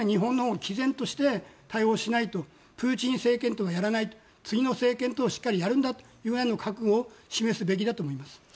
毅然として対応しないとプーチン政権とはやらない次の政権としっかりやるんだというぐらいの覚悟を示すべきだと思います。